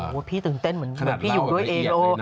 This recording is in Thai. พี่ตื่นเต้นเหมือนพี่อยู่ด้วยเอง